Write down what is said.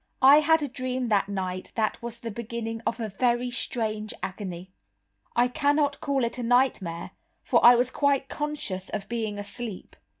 I had a dream that night that was the beginning of a very strange agony. I cannot call it a nightmare, for I was quite conscious of being asleep.